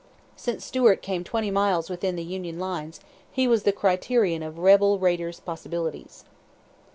(Since Stuart came twenty miles within the Union lines, he was the criterion of rebel raiders' possibilities.)